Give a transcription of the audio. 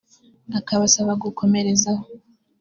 akabasaba gukomerezaho